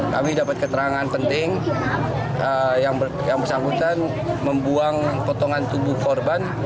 kami dapat keterangan penting yang bersangkutan membuang potongan tubuh korban